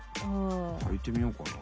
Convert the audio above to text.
はいてみようかな。